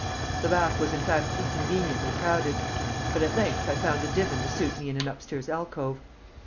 The bath was in fact inconveniently crowded. But at length I found a divan to suit me in an upstairs alcove.